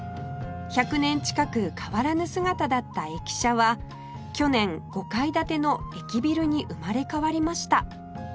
１００年近く変わらぬ姿だった駅舎は去年５階建ての駅ビルに生まれ変わりました